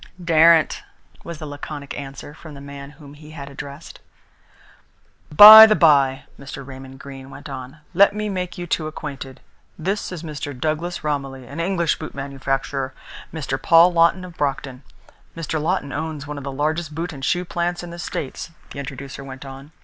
"Daren't!" was the laconic answer from the man whom he had addressed. "By the bye," Mr. Raymond Greene went on, "let me make you two acquainted. This is Mr. Douglas Romilly, an English boot manufacturer Mr. Paul Lawton of Brockton. Mr. Lawton owns one of the largest boot and shoe plants in the States," the introducer went on.